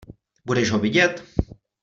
Budeš ho vidět?